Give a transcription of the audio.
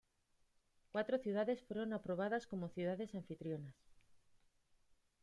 Cuatro ciudades fueron aprobadas como ciudades anfitrionas.